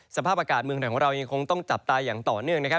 สภาพอากาศเมืองไทยของเรายังคงต้องจับตาอย่างต่อเนื่องนะครับ